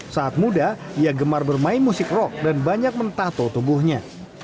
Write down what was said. saat muda ia gemar bermain musik rock dan banyak mentato tubuhnya